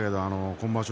今場所